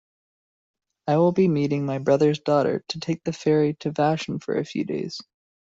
I will be meeting my brother's daughter to take the ferry to Vashon for a few days.